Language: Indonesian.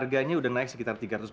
saya benci sama ibu